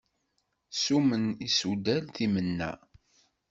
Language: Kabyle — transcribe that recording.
Summen isudal timenna.